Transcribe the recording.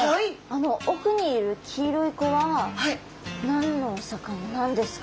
あの奥にいる黄色い子は何のお魚なんですか？